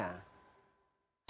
dari yang sebelumnya